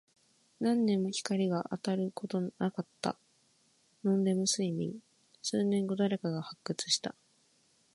何年も光が当たることなかった。ノンレム睡眠。数年後、誰かが発掘した。